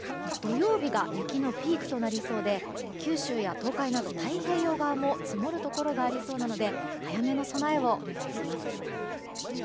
土曜日が雪のピークとなりそうで九州や東海など、太平洋側も積もるところがありそうなので早めの備えをお願いします。